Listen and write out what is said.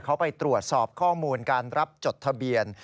เขาไปตรวจสอบข้อมูลการรับจดทะเบียน